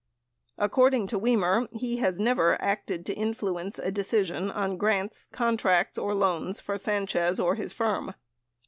According to Wimer, he has never acted to influence a decision on grants, contracts, or loans for Sanchez or his firm.